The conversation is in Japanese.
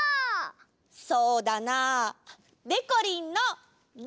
そうだなでこりんの「で」！